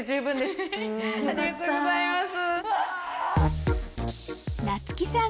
ありがとうございます。